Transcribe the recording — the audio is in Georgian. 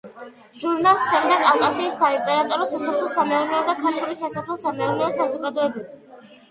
ჟურნალს სცემდა კავკასიის საიმპერატორო სასოფლო-სამეურნეო და ქართული სასოფლო-სამეურნეო საზოგადოებები.